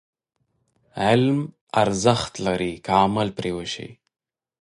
علم ارزښت لري، که عمل پرې وشي.